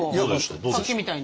さっきみたいに。